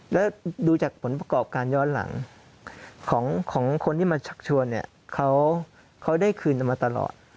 แล้วดูจากผลประกอบการย้อนหลังของคนที่มาชักชวนเนี่ยเขาได้คืนมาตลอด